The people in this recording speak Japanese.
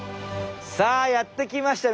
さあやって来ました。